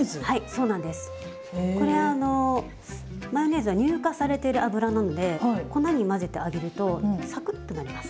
これはあのマヨネーズは乳化されてる油なので粉に混ぜて揚げるとサクッとなります。